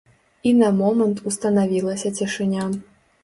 І на момант устанавілася цішыня.